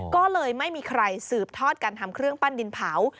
ก็เลยไม่มีใครสืบทอดการทำเครื่องปั้นดินเผา